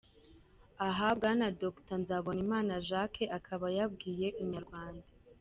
Aha Bwana Dr Nzabonimpa Jacques akaba yabwiye Inyarwanda.